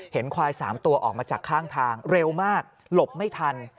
ควาย๓ตัวออกมาจากข้างทางเร็วมากหลบไม่ทัน